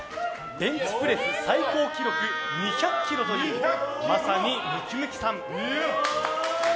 ベンチプレス最高記録２００ｋｇというまさにムキムキさん。